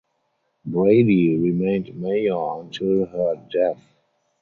Brady remained mayor until her death.